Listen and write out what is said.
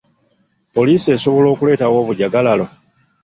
Poliisi esobola okuleetawo obujjagalalo?